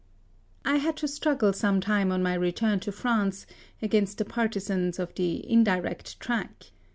I had to struggle some time on my return to France against the partisans of the indi rect track.